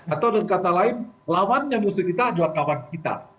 atau dengan kata lain lawannya muslim kita adalah kawan kita